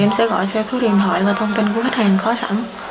em sẽ gọi xe số điện thoại và thông tin của khách hàng khó sẵn